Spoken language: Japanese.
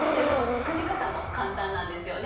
作り方も簡単なんですよね。